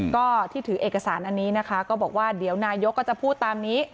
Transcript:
ก็ที่ถือเอกสารอันนี้นะคะก็บอกว่าเดี๋ยวนายกก็จะพูดตามนี้